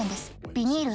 ビニール